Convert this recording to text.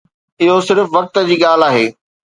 اهو صرف وقت جي ڳالهه آهي.